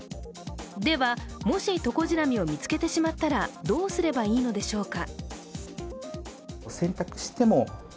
では、もしトコジラミを見つけてしまったらどうすればいいのでしょうか。